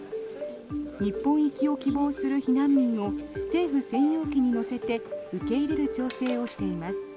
日本行きを希望する避難民を政府専用機に乗せて受け入れる調整をしています。